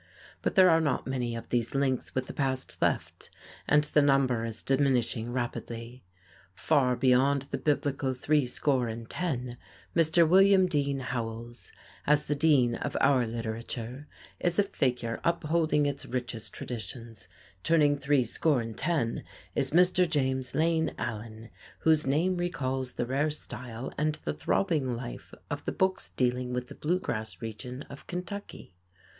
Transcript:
But there are not many of these links with the past left, and the number is diminishing rapidly. Far beyond the Biblical three score and ten, Mr. William Dean Howells, as the dean of our literature, is a figure upholding its richest traditions; turning three score and ten is Mr. James Lane Allen, whose name recalls the rare style and the throbbing life of the books dealing with the Blue Grass region of Kentucky.